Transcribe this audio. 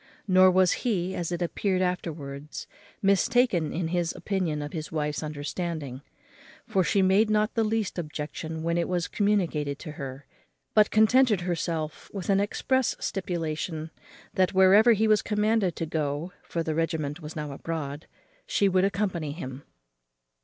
Nor was he, as it appeared afterwards, mistaken in his opinion of his wife's understanding; for she made not the least objection when it was communicated to her, but contented herself with an express stipulation, that wherever he was commanded to go (for the regiment was now abroad) she would accompany him.